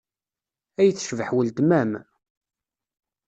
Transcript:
Ay tecbeḥ uletma-m!